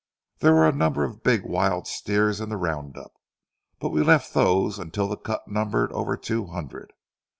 There were a number of big wild steers in the round up, but we left those until the cut numbered over two hundred.